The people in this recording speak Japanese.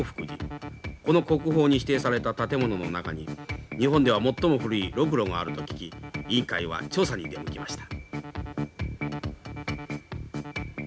この国宝に指定された建物の中に日本では最も古いロクロがあると聞き委員会は調査に出向きました。